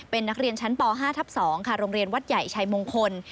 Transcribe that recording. เป็นนักเรียนชั้นป๕ทับ๒ค่ะโรงเรียนวัดใหญ่ชัยมงคล